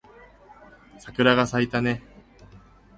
桜が咲いたね